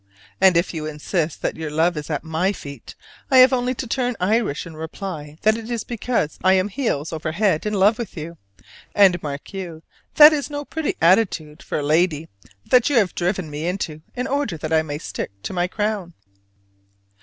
And if you insist that your love is at my feet, I have only to turn Irish and reply that it is because I am heels over head in love with you: and, mark you, that is no pretty attitude for a lady that you have driven me into in order that I may stick to my "crown"!